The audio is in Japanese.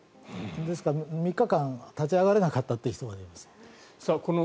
ですから、３日間立ち上がれなかった人もいます。